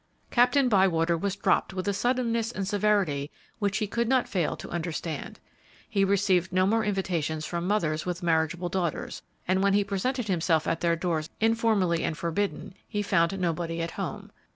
Captain Bywater was dropped with a suddenness and severity which he could not fail to understand. He received no more invitations from mothers with marriageable daughters, and when he presented himself at their doors informally and forbidden he found nobody at home.